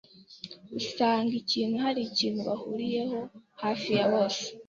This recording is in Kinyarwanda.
usanga ikintu hari ikintu bahuriyeho hafi ya bose